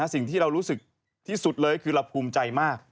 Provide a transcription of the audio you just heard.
สิ่งที่เรารู้สึกที่สุดเลยคือเราภูมิใจมาก